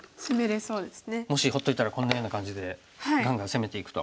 もし放っといたらこんなような感じでがんがん攻めていくと。